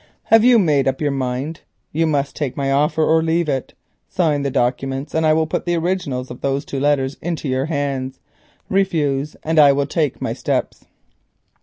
Have you made up your mind? You must take my offer or leave it. Sign the documents and I will put the originals of those two letters into your hands; refuse and I will take my steps."